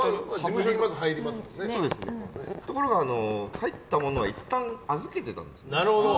ところが、入ったものをいったん預けてたんですよ。